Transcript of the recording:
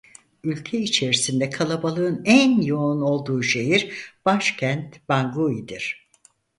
Ülke içerisinde kalabalığın en yoğun olduğu şehir başkent Bangui'dir.